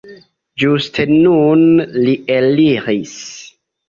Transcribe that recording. Ĝuste nun li eliris.